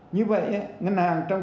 như vậy ngân hàng trong